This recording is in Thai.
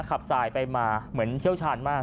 ขับสายไปมาเหมือนเชี่ยวชาญมาก